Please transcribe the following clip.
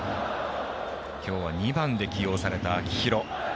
今日は２番で起用された秋広。